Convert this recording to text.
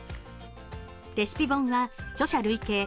レシピ本は著者累計